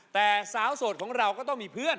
แต่สาวโสดของเราก็ต้องมีเพื่อน